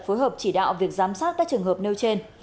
phối hợp chỉ đạo việc giám sát các trường hợp nêu trên